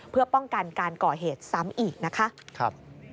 เพื่อป้องกันการก่อเหตุซ้ำอีกนะคะ